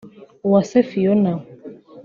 Uwase Phiona